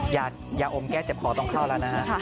ยาอมแก้เจ็บคอต้องเข้าแล้วนะฮะ